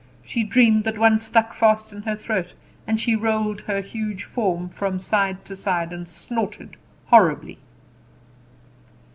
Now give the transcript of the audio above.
She dreamed that one stuck fast in her throat, and she rolled her huge form from side to side, and snorted horribly.